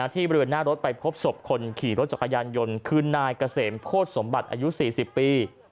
บริเวณหน้ารถไปพบศพคนขี่รถจักรยานยนต์คือนายเกษมโคตรสมบัติอายุ๔๐ปี